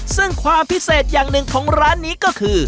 ซึ่งความพิเศษอย่างหนึ่งของร้านนี้ก็คือ